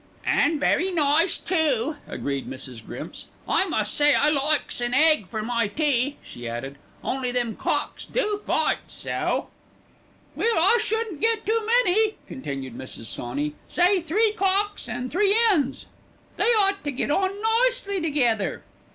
"An' very nice too," agreed Mrs. Grimps; "I must say I likes an egg for my tea," she added, "only them cocks do fight so." "Well, I shouldn't get too many," continued Mrs. Sawney, "say three cocks an' three 'ens. They ought to get on nicely together."